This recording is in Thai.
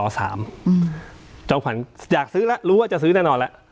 คุณเจ้ามขวัญอยากซื้อละรู้ว่าจะซื้อแน่นอนละ